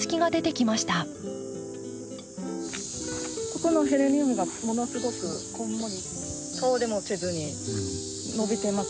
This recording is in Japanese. ここのへレニウムがものすごくこんもりと倒れもせずに伸びてますし。